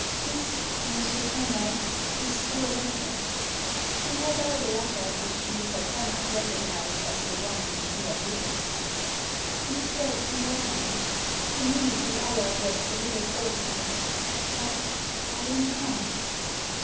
"This, Monsieur Kennard, is your letter." She held out a letter which Mr. Kennard recognised as the one which he had written. "You said eleven. To me, the hour was a little awkward. But — I am come."